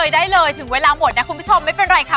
ได้เลยถึงเวลาหมดนะคุณผู้ชมไม่เป็นไรค่ะ